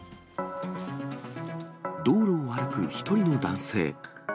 道路を歩く１人の男性。